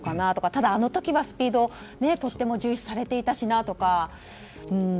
ただ、あの時はスピードをとっても重視されていたしなとか。